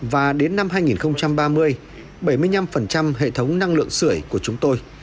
và đến năm hai nghìn ba mươi bảy mươi năm hệ thống năng lượng sửa của chúng tôi